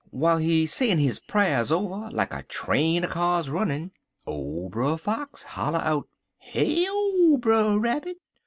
W'ile he sayin' his pra'rs over like a train er kyars runnin', ole Brer Fox holler out: "'Heyo, Brer Rabbit!